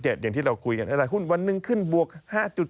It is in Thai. อย่างที่เราคุยกันแต่ว่าวันหนึ่งขึ้นบวก๕จุด